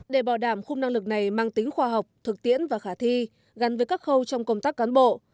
để bảo đảm khung năng lực này mang tính khoa học thực tiễn và khả thi gắn với các khâu trong công tác cán bộ